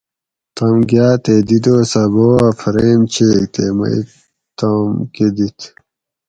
تم گاٞ تے دی دوسٞہ بوب اٞ فریم چیگ تے مئ توم کٞہ دِت